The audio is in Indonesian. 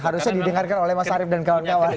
harusnya didengarkan oleh mas arief dan kawan kawan